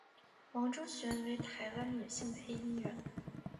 王中璇为台湾女性配音员。